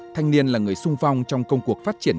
thanh niên là người sung phong trong công cuộc phát triển thế hệ